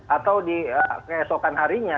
atau di keesokan harinya